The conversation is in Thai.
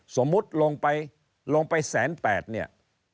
สมมุติลงไป๑๘๐๐๐๐บาทเนี่ย